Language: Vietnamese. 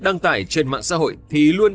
đăng tải trên mạng xã hội thì luôn